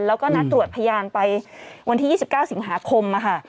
แล้วก็นัดตรวจพยานไปวันที่๒๙สิงหาคมค่ะ